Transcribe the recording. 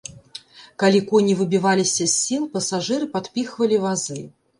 Калі коні выбіваліся з сіл, пасажыры падпіхвалі вазы.